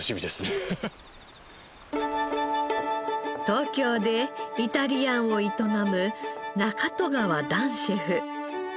東京でイタリアンを営む中戸川弾シェフ。